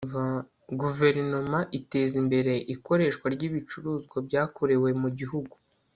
guverinoma iteza imbere ikoreshwa ry'ibicuruzwa byakorewe mu gihugu